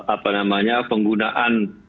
apa namanya penggunaan